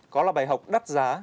có là bài học đắt giá